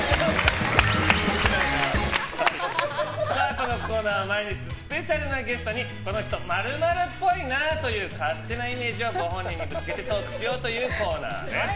このコーナーは、毎日スペシャルなゲストにこの人○○っぽいなという勝手なイメージをご本人にぶつけてトークしようというコーナーです。